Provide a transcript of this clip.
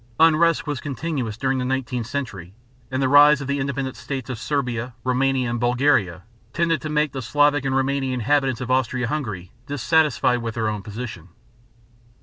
Unrest was continuous during the nineteenth century; and the rise of the independent states of Serbia, Roumania, and Bulgaria tended to make the Slavic and Roumanian inhabitants of Austria Hungary dissatisfied with their own position.